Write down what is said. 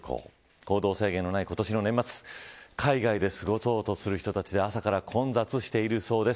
行動制限のない今年の年末海外で過ごそうとする人たちで朝から混雑していそうです。